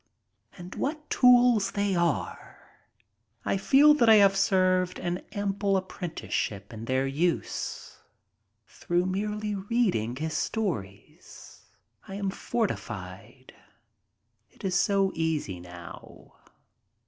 And what tools they are! I feel that I have served an ample apprentice ship in their use, through merely reading his stories. I am fortified. It is so easy now.